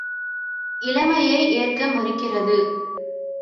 இளமையை ஏற்க மறுக்கிறது.